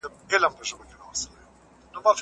ډېر ږدن او پاڼي تر نورو شیانو له کړکۍ چټک راځي.